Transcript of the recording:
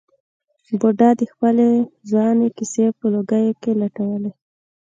بوډا د خپلې ځوانۍ کیسې په لوګیو کې لټولې.